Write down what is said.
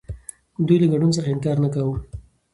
دوی له ګډون څخه انکار نه کاوه.